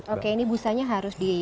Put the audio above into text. oke ini busanya harus di